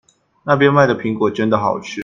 那邊賣的蘋果真的好吃